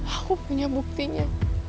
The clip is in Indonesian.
aku punya buktinya